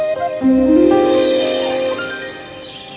dia menjual banyak barang di pasar untuk mendapatkan uang